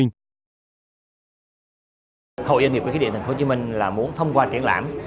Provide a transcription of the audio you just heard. hội doanh nghiệp khi khí điện tp hcm là muốn thông qua triển lãm